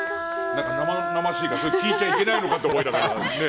生々しいから聞いちゃいけないのかなと思いながら。